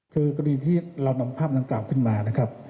คือกรณีที่เรานำภาพดังกล่าวขึ้นมานะครับ